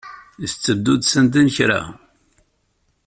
I teddud sanda n kra?